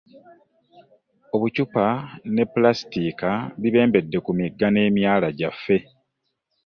“Obucupa ne Pulaasitiika bibembedde ku migga n'emyala gyaffe"